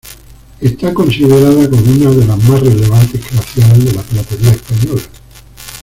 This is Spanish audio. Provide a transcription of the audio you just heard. Está considerada como una de las más relevantes creaciones de la platería española.